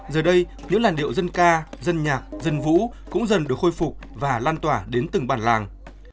giờ đây những làn điệu dân ca dân nhạc dân vũ cũng dần được khôi phục và lan tỏa đến từng bản làng